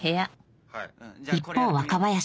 一方若林